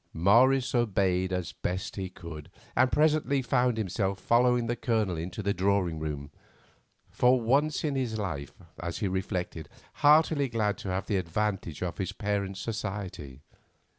Morris obeyed as best he could, and presently found himself following the Colonel into the drawing room, for once in his life, as he reflected, heartily glad to have the advantage of his parent's society.